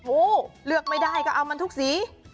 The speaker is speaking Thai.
เลือกไม่ได้ก็เอามันทุกสี